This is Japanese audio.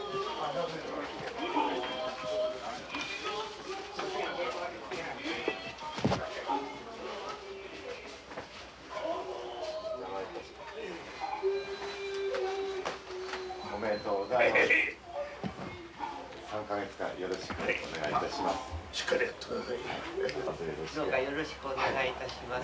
どうかよろしくお願いいたします。